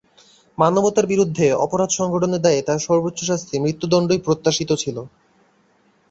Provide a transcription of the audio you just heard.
মানবতার বিরুদ্ধে অপরাধ সংঘটনের দায়ে তাঁর সর্বোচ্চ শাস্তি মৃত্যুদণ্ডই প্রত্যাশিত ছিল।